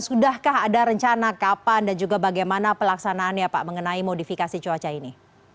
sudahkah ada rencana kapan dan juga bagaimana pelaksanaannya pak mengenai modifikasi cuaca ini